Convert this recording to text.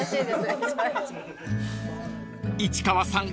［市川さん